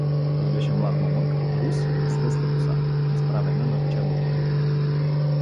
Той беше млад момък, рус, с гъста коса, изправена над челото му.